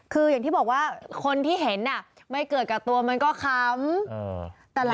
คืออย่างที่บอกว่าคนที่เห็นไม่เกิดกับตัวมันก็ค้ำ